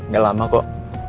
gak lama kok